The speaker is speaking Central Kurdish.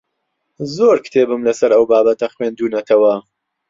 زۆر کتێبم لەسەر ئەو بابەتە خوێندوونەتەوە.